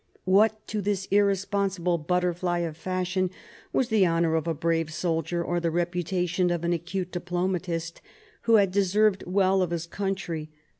What, to this irresponsible butterfly of fashion, was the honour of a brave soldier or the reputation of an acute diplomatist who had deserved well of his country.